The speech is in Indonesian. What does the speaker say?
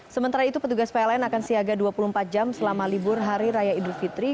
sementara itu petugas pln akan siaga dua puluh empat jam selama libur hari raya idul fitri